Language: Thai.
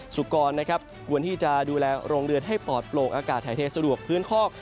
สุกรนะครับควรที่จะดูแลโรงเรือนให้ปลอดโปรกอากาศถ่ายเทสะดวกพื้นคอก